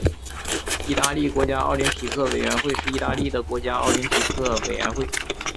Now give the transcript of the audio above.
意大利国家奥林匹克委员会是意大利的国家奥林匹克委员会。